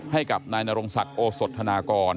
ให้กับนายนรงศักดิ์โอสธนากร